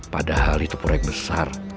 padahal itu proyek besar